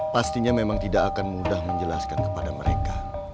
pastinya memang tidak akan mudah menjelaskan kepada mereka